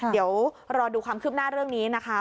เดี๋ยวรอดูความคืบหน้าเรื่องนี้นะคะ